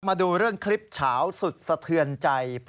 มาดูเรื่องคลิปเฉาสุดสะเทือนใจ